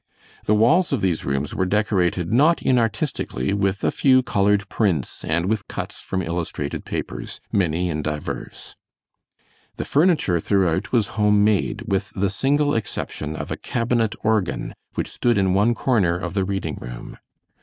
The walls of these rooms were decorated not inartistically with a few colored prints and with cuts from illustrated papers, many and divers. The furniture throughout was home made, with the single exception of a cabinet organ which stood in one corner of the reading room.